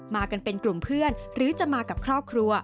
มากันเป็นกลุ่มเพื่อนหรือจะมากับครอบครัว